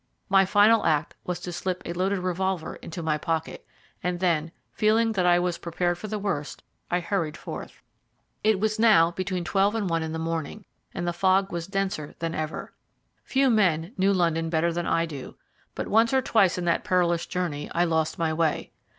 My final act was to slip a loaded revolver into my pocket, and then, feeling that I was prepared for the worst, I hurried forth. It was now between twelve and one in the morning, and the fog was denser than ever. Few men know London better than I do, but once or twice in that perilous journey I lost my way.